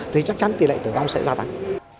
thì chắc chắn tỷ lệ tử vong sẽ gia tăng